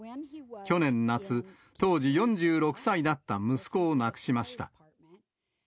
去年夏、当時４６歳だった息子を亡くしました。